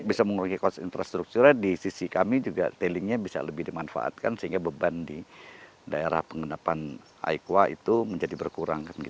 bisa mengurangi infrastrukturnya di sisi kami juga tailingnya bisa lebih dimanfaatkan sehingga beban di daerah pengendapan aikwa itu menjadi berkurang